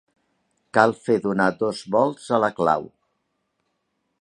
Cal fer donar dos volts a la clau.